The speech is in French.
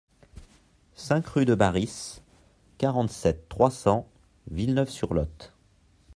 cinq rue de Barris, quarante-sept, trois cents, Villeneuve-sur-Lot